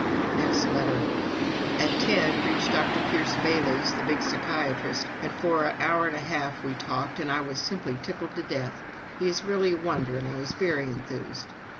Next letter: "At ten reached Dr. Pierce Bailey's, the big psychiatrist, and for an hour and a half we talked, and I was simply tickled to death. He is really a wonder and I was very enthused.